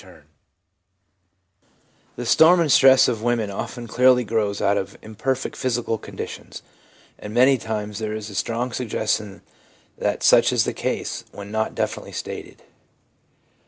226 THE PSYCHOLOGY OF RELIGION The storm and stress of women often clearly grows out of imperfect physical conditions, and many times there is a strong suggestion that such is the case when not definitely stated.